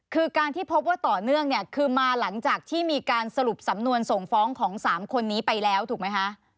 คือการที่พบว่าต่อเนื่องเนี่ยคือมาหลังจากที่มีการสรุปสำนวนส่งฟ้องของ๓คนนี้ไปแล้วถูกไหมคะ